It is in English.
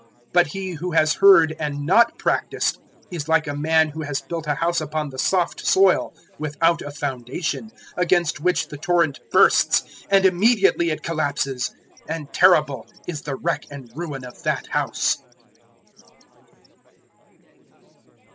006:049 But he who has heard and not practised is like a man who has built a house upon the soft soil without a foundation, against which the torrent bursts, and immediately it collapses, and terrible is the wreck and ruin of that house."